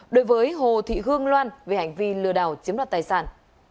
đối với hồ thị hương loan về hành vi lừa đảo chiếm đoạt tài sản